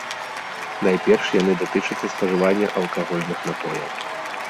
Найперш яны датычацца спажывання алкагольных напояў.